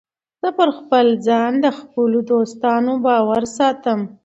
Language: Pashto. زه پر ځان د خپلو دوستانو باور ساتم.